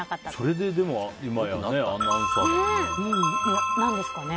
それで今やアナウンサーですからね。